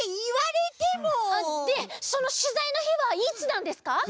でそのしゅざいのひはいつなんですか？